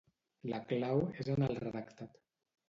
La clau és en el redactat.